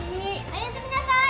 おやすみなさい。